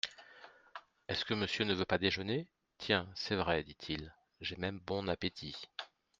Est-ce que monsieur ne veut pas déjeuner ? Tiens, c'est vrai, dit-il, j'ai même bon appétit.